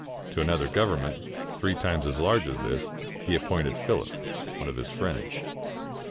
To another government, three times as large as this, he appointed Philip, one of his friends.